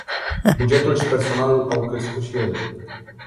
Bugetul și personalul au crescut și ele.